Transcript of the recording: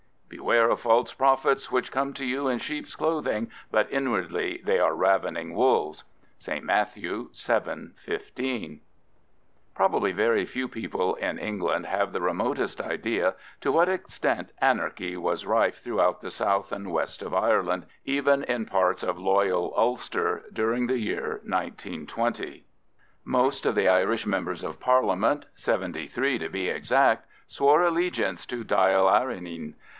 "Beware of false prophets, which come to you in sheep's clothing, but inwardly they are ravening wolves."—St. Matt. vii. 15. Probably very few people in England have the remotest idea to what extent anarchy was rife throughout the south and west of Ireland, even in parts of loyal Ulster, during the year 1920. Most of the Irish members of Parliament, seventy three to be exact, swore allegiance to Dail Eireann.